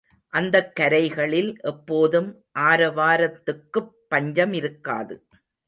அந்தக் கரைகளில் எப்போதும் ஆரவாரத்துக்குப் பஞ்சமிருக்காது.